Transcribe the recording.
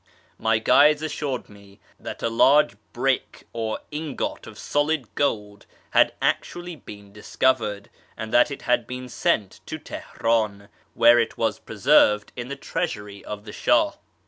My guides assured me that a large " brick " or ingot of solid gold had actually been discovered, and that it had been sent to Teheran, where it was preserved in the treasury of the Shah.